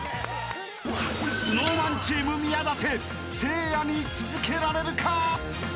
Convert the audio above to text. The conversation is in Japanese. ［ＳｎｏｗＭａｎチーム宮舘せいやに続けられるか？］